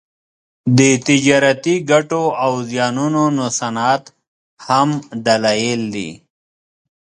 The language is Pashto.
د تجارتي ګټو او زیانونو نوسانات هم دلایل دي